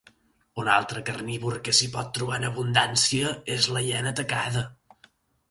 Un altre carnívor que s'hi pot trobar en abundància és la hiena tacada.